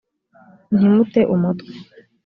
ntimute umutwe,